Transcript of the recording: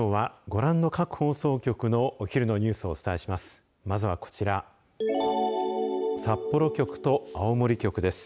札幌局と青森局です。